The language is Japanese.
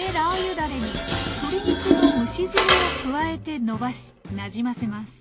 だれに鶏肉の蒸し汁を加えてのばしなじませます